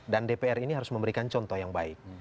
dan dpr ini harus memberikan contoh yang baik